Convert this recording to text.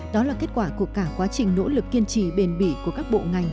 đó là kết quả của cả quá trình nỗ lực kiên trì bền bỉ của các bộ ngành